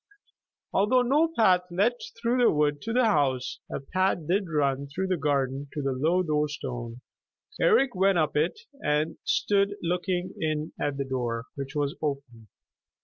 Although no path led through the wood to the house, a path did run through the garden to the low door stone. Eric went up it and stood looking in at the door, which was open.